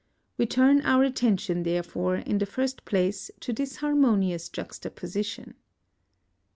We turn our attention therefore, in the first place, to this harmonious juxtaposition.